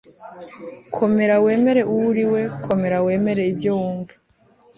komera, wemere uwo uri we; komera, wemere ibyo wumva